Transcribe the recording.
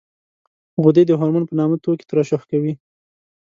غدې د هورمون په نامه توکي ترشح کوي.